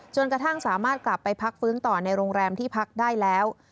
กระทั่งสามารถกลับไปพักฟื้นต่อในโรงแรมที่พักได้แล้ว